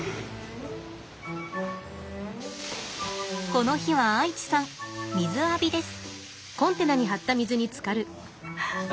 この日はアイチさん水浴びです。